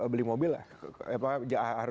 beli mobil lah